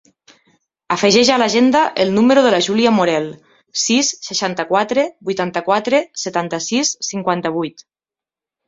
Afegeix a l'agenda el número de la Júlia Morel: sis, seixanta-quatre, vuitanta-quatre, setanta-sis, cinquanta-vuit.